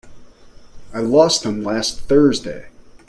I lost them last Thursday.